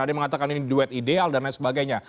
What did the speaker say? ada yang mengatakan ini duet ideal dan lain sebagainya